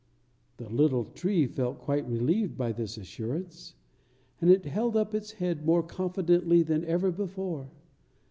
The little tree felt quite relieved by this assurance, and it held up its head more confidently than ever before.